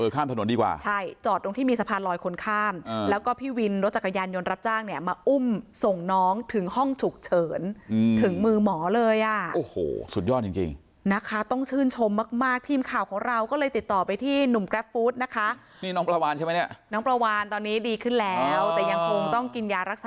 ข้ามถนนดีกว่าใช่จอดตรงที่มีสะพานลอยคนข้ามแล้วก็พี่วินรถจักรยานยนต์รับจ้างเนี่ยมาอุ้มส่งน้องถึงห้องฉุกเฉินถึงมือหมอเลยอ่ะโอ้โหสุดยอดจริงจริงนะคะต้องชื่นชมมากมากทีมข่าวของเราก็เลยติดต่อไปที่หนุ่มกราฟฟู้ดนะคะนี่น้องปลาวานใช่ไหมเนี่ยน้องปลาวานตอนนี้ดีขึ้นแล้วแต่ยังคงต้องกินยารักษา